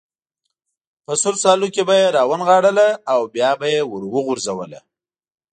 په سور سالو کې به یې را ونغاړله او بیا به یې وروغورځوله.